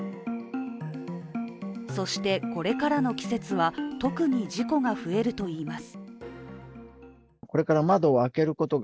そして、これからの季節は特に事故が増えるといいます。